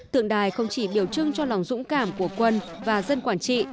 tượng đài không chỉ biểu trưng cho lòng dũng cảm của quân và dân quản trị